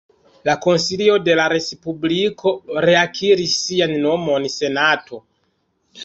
La Konsilio de la Respubliko reakiris sian nomon Senato.